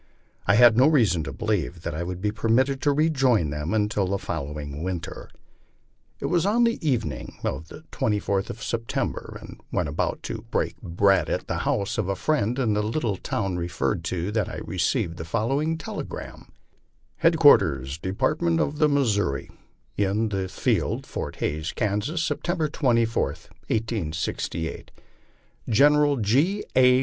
I had no reason to believe that I would be permitted to rejoin them un til the following winter, It was on the evening of the 24th of September, and when about to " break bread " at the house of a friend in the little town re ferred to that I received the following telegram : HEADQUARTEUS DEPARTMENT OF THE MISSOURI, ) IN THE FIELD, FORT HAYS, KANSAS, September 24, 1868. ) General G. A.